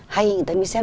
hay người ta đi xem